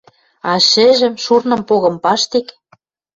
А шӹжӹм, шурным погым паштек